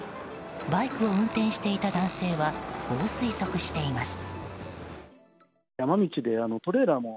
バイクを運転していた男性はこう推測しています。